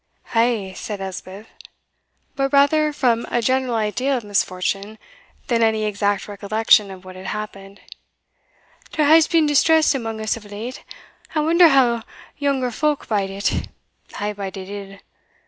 "Ay," said Elspeth; but rather from a general idea of misfortune, than any exact recollection of what had happened, "there has been distress amang us of late I wonder how younger folk bide it I bide it ill.